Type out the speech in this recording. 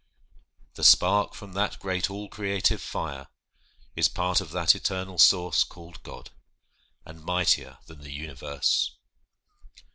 The spark from that great all creative fire, Is part of that eternal source called God, And mightier than the universe.